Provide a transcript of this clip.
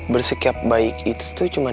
bersikap baik itu tuh cuma